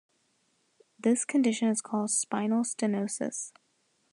This condition is called spinal stenosis.